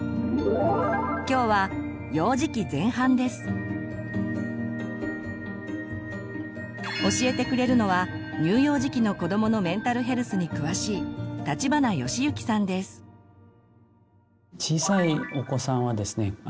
今日は教えてくれるのは乳幼児期の子どものメンタルヘルスに詳しい小さいお子さんはですね